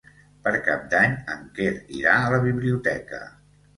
Per Cap d'Any en Quer irà a la biblioteca.